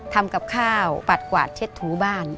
ทำกับข้าวปัดกวาดเช็ดถูบ้าน